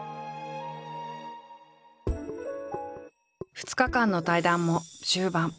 ２日間の対談も終盤。